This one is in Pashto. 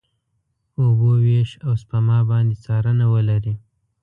اوبو وېش، او سپما باندې څارنه ولري.